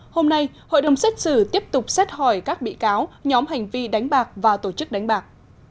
hôm nay hội đồng xét xử tiếp tục xét hỏi các bị cáo nhóm hành vi đánh bạc và tổ chức đánh bạc